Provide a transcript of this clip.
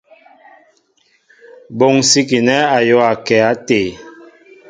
Mɓonsikinɛ ayōōakɛ até.